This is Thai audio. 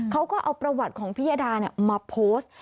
เขาก็เอาประวัติของพิยดามาโพสต์